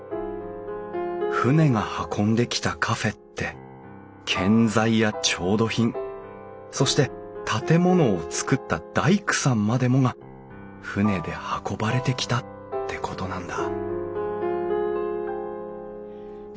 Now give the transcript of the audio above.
船が運んできたカフェって建材や調度品そして建物を造った大工さんまでもが船で運ばれてきたってことなんだ